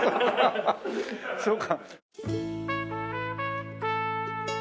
そうか。